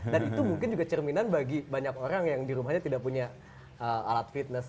dan itu mungkin juga cerminan bagi banyak orang yang di rumahnya tidak punya alat fitness